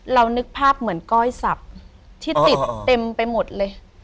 นึกภาพเหมือนก้อยสับที่ติดเต็มไปหมดเลย